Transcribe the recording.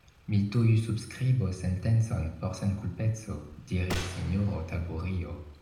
Mi tuj subskribos sentencon por senkulpeco, diris sinjoro Taburio.